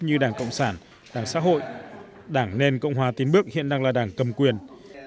như đảng cộng sản đảng xã hội đảng nền cộng hòa tiến bước hiện đang là đảng cầm quyền